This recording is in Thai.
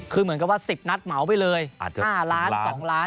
คือเหมือนกับว่า๑๐นัดเหมาไปเลยอาจจะ๕ล้าน๒ล้าน